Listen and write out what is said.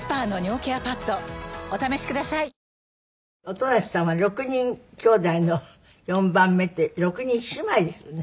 音無さんは６人きょうだいの４番目って６人姉妹ですよね。